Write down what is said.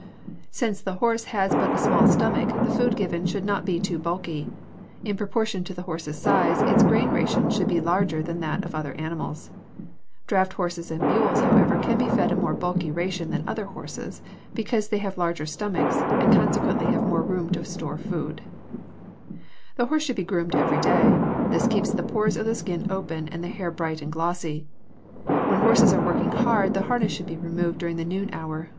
Since the horse has but a small stomach, the food given should not be too bulky. In proportion to the horse's size, its grain ration should be larger than that of other animals. Draft horses and mules, however, can be fed a more bulky ration than other horses, because they have larger stomachs and consequently have more room to store food. [Illustration: FIG. 246. HOW TO MEASURE A HORSE] The horse should be groomed every day. This keeps the pores of the skin open and the hair bright and glossy. When horses are working hard, the harness should be removed during the noon hour.